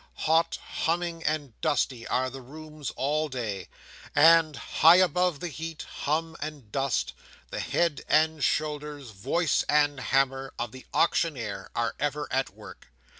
Hot, humming, and dusty are the rooms all day; and—high above the heat, hum, and dust—the head and shoulders, voice and hammer, of the Auctioneer, are ever at work.